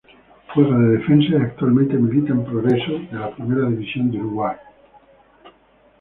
Juega de defensa y actualmente milita en Progreso de la Primera División de Uruguay.